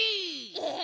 え！